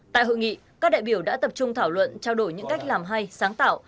tại hội nghị các đại biểu đã tập trung thảo luận trao đổi những cách làm hay sáng tạo